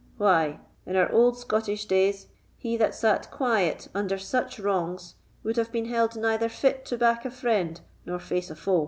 Why, in our old Scottish days, he that sat quiet under such wrongs would have been held neither fit to back a friend nor face a foe."